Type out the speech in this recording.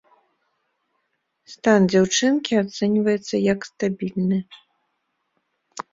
Стан дзяўчынкі ацэньваецца як стабільны.